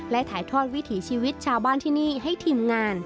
และถ่ายทอดวิถีชีวิตชาวบ้านที่นี่ให้ทีมงาน